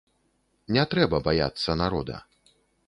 Не трэба баяцца народа.